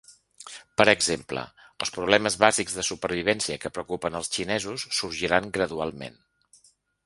Per exemple, els problemes bàsics de supervivència que preocupen els xinesos sorgiran gradualment.